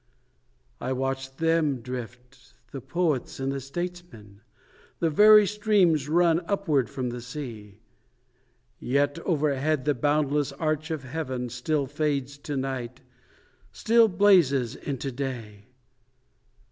..... I watch them drift the poets and the statesmen; The very streams run upward from the sea. ...... Yet overhead the boundless arch of heaven Still fades to night, still blazes into day.